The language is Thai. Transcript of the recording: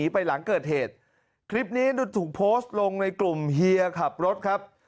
ไปหลังเกิดเหตุคลิปนี้ถูกโพสต์ลงในกลุ่มเฮียขับรถครับ